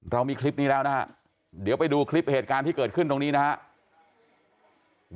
เรามีคลิปนี้แล้วนะฮะเดี๋ยวไปดูคลิปเหตุการณ์ที่เกิดขึ้นตรงนี้นะครับ